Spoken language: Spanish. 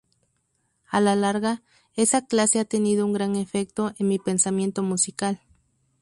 A la larga, esa clase ha tenido un gran efecto en mi pensamiento musical.